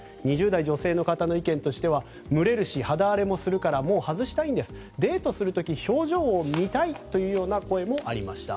２０代女性の方の意見としては蒸れるし肌荒れもするからもう外したいんですデートする時表情を見たいという声もありました。